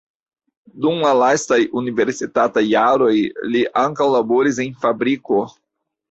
Dum la lastaj universitataj jaroj li ankaŭ laboris en fabriko.